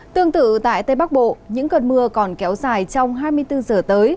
tương tự tại tây bắc bộ những cơn mưa còn kéo dài trong hai mươi bốn giờ tới